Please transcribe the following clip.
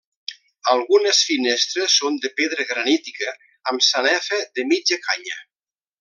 Algunes finestres són de pedra granítica amb sanefa de mitja canya.